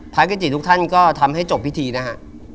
พระคุณจิตทุกท่านก็ทำให้จบพิธีนะฮะ